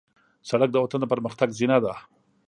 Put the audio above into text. سړک د وطن د پرمختګ زینه ده.